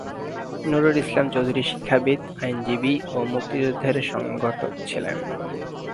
নুরুল ইসলাম চৌধুরী শিক্ষাবিদ, আইনজীবী ও মুক্তিযুদ্ধের সংগঠক ছিলেন।